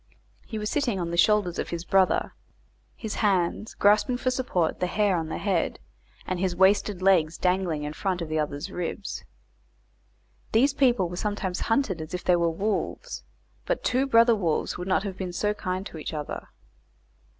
He was sitting on the shoulders of his brother, his hands grasping for support the hair on the head, and his wasted legs dangling in front of the other's ribs. These people were sometimes hunted as if they were wolves, but two brother wolves would not have been so kind to each other.